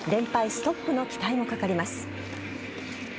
ストップの期待がかかります。